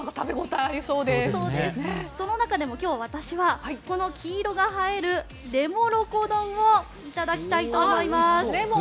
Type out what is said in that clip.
その中でも今日、私はこの黄色が生える「レモロコ丼」をいただきたいと思います。